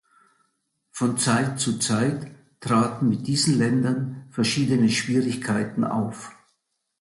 Von Zeit zu Zeit traten mit diesen Ländern verschiedene Schwierigkeiten auf.